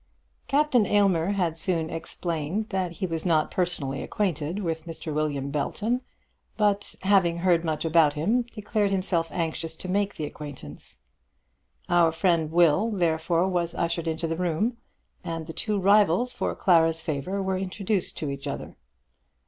Captain Aylmer had soon explained that he was not personally acquainted with Mr. William Belton; but, having heard much about him, declared himself anxious to make the acquaintance. Our friend Will, therefore, was ushered into the room, and the two rivals for Clara's favour were introduced to each other.